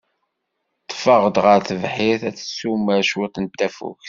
Teffeɣ-d ɣer tebḥirt ad tessumer cwiṭ n tafukt.